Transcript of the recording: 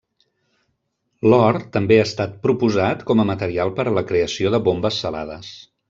L'or també ha estat proposat com a material per a la creació de bombes salades.